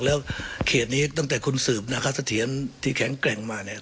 แล้วเขตนี้ตั้งแต่คุณสืบนาคาสะเทียนที่แข็งแกร่งมาเนี่ย